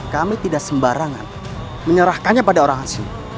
kami tidak sembarangan menyerahkannya pada orang asing